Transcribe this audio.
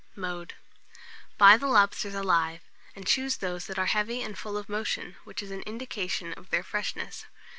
Mode. Buy the lobsters alive, and choose those that are heavy and full of motion, which is an indication of their freshness.